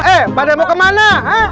eh pademu kemana